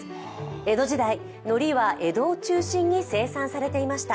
江戸時代、のりは江戸を中心に生産されていました。